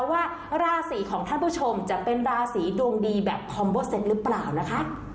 ว่าราศีของท่านผู้ชมจะเป็นราศีดวงดีแบบคอมเบอร์เซ็ตหรือเปล่านะคะ